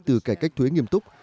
từ cải cách thuế nghiêm túc